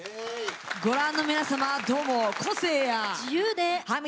ご覧の皆様どうも、個性や。